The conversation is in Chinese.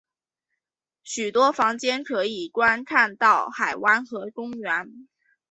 许多房间可以观看到海湾和公园。